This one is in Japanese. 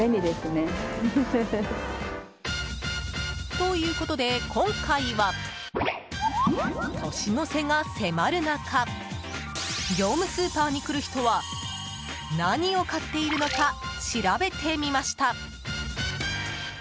ということで今回は年の瀬が迫る中業務スーパーに来る人は何を買っているのか調べてみました。